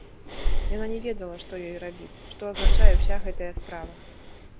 Яна не ведала, што ёй рабіць, што азначае ўся гэтая справа.